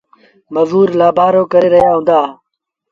مزور لآبآرو ڪري رهيآ هُݩدآ۔